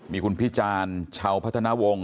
มีคุณพิจารณ์ชาวพัฒนาวงศ